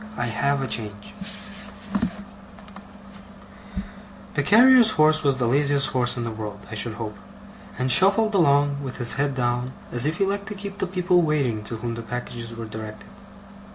I HAVE A CHANGE The carrier's horse was the laziest horse in the world, I should hope, and shuffled along, with his head down, as if he liked to keep people waiting to whom the packages were directed.